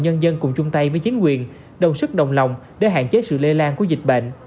nhân dân cùng chung tay với chính quyền đồng sức đồng lòng để hạn chế sự lây lan của dịch bệnh